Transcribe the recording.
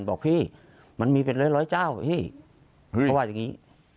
บอกพี่มันมีเป็นร้อยเจ้าพี่เขาว่าอย่างนี้